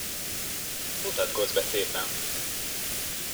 Mutatkozz be szépen!